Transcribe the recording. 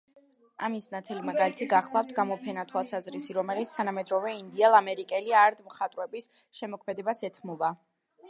ამის ნათელი მაგალითი გახლავთ გამოფენა „თვალსაზრისი“, რომელიც თანამედროვე ინდიელ-ამერიკელი არტ მხატვრების შემოქმედებას ეთმობა.